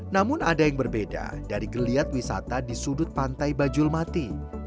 namun ada yang berbeda dari geliat wisata di sudut pantai bajulmati